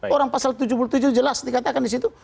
orang pasal tujuh puluh tujuh jelas dikatakan di situ